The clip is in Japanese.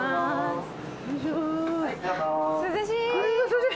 涼しい。